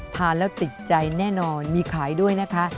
ทานแล้วติดใจแน่นอนมีขายด้วยนะคะ